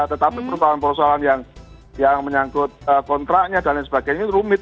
tetapi persoalan persoalan yang menyangkut kontraknya dan lain sebagainya ini rumit